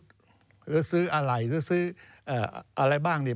ซื้ออะไรหรือซื้ออะไรบ้างเนี่ย